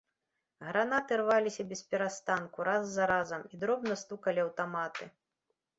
Гранаты рваліся бесперастанку раз за разам, і дробна стукалі аўтаматы.